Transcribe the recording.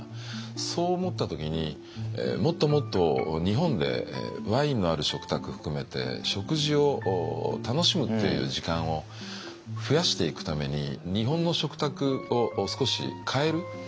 そう思った時にもっともっと日本でワインのある食卓含めて食事を楽しむっていう時間を増やしていくために日本の食卓を少し変える。